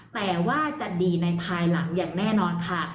แต่ว่าจะดีในภายหลังอย่างแน่นอนค่ะ